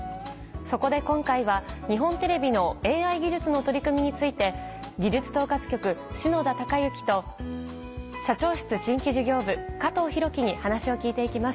そこで今回は日本テレビのＡＩ技術の取り組みについて技術統括局篠田貴之と社長室新規事業部加藤大樹に話を聞いていきます。